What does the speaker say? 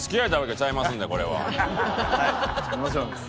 もちろんです。